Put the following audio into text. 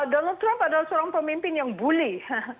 donald trump adalah seorang pemimpin yang bully